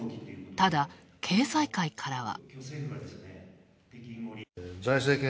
ただ、経済界からは。